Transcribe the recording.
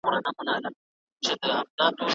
باکستر نوی مفهوم راوست.